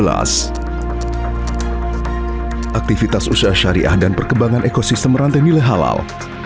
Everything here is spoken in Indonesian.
aktivitas usaha syariah dan perkembangan ekosistem rantai nilai halal